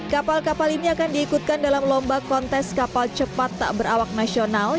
kapal kapal ini akan diikutkan dalam lomba kontes kapal cepat tak berawak nasional